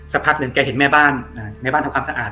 พักหนึ่งแกเห็นแม่บ้านในบ้านทำความสะอาด